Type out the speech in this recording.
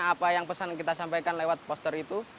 apa yang pesan kita sampaikan lewat poster itu